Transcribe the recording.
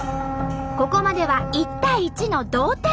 ここまでは１対１の同点。